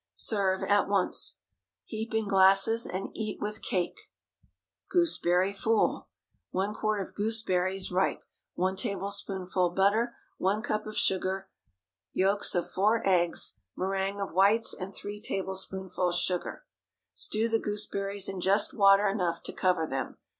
Serve at once. Heap in glasses, and eat with cake. GOOSEBERRY FOOL. 1 quart of gooseberries, ripe. 1 tablespoonful butter. 1 cup of sugar. Yolks of four eggs. Méringue of whites, and 3 tablespoonfuls sugar. Stew the gooseberries in just water enough to cover them.